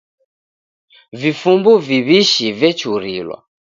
Vifumbu viw'ishi vechurilwa.